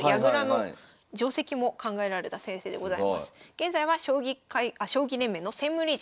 現在は将棋連盟の専務理事。